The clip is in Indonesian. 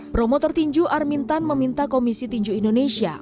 promotor tinju armin tan meminta komisi tinju indonesia